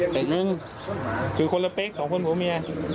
เป๊ก๒คนผู้เมีย